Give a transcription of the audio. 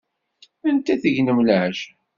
Anda tegnem leɛca?